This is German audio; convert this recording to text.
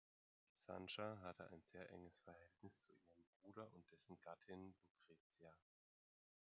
Sancha hatte ein sehr enges Verhältnis zu ihrem Bruder und dessen Gattin Lucrezia.